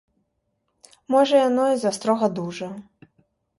Можа, яно і застрога дужа.